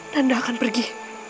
nanda akan pergi